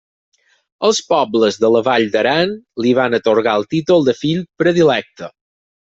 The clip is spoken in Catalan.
Els pobles de la Vall d'Aran li van atorgar el títol de fill predilecte.